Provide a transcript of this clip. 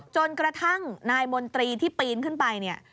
จนกระทั่งนายมนตรีที่ปีนขึ้นไปเนี่ย